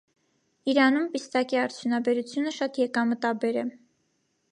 Իրանում պիստակի արդյունաբերությունը շատ եկամտաբեր է։